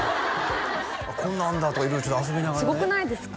こんなんあるんだとか色々ちょっと遊びながらすごくないですか？